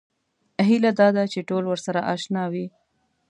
هیله دا ده چې ټول ورسره اشنا وي.